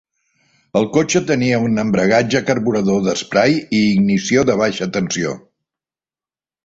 El cotxe tenia un embragatge, carburador d'esprai i ignició de baixa tensió.